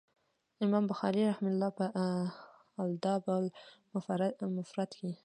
امام بخاري رحمه الله په الأدب المفرد کي